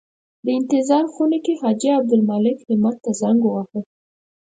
په انتظار خونه کې حاجي عبدالمالک همت ته زنګ وواهه.